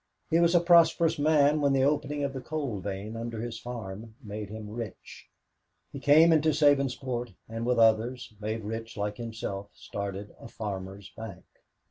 He was a prosperous man when the opening of the coal vein under his farm made him rich. He came into Sabinsport and with others, made rich like himself, started a farmers' bank.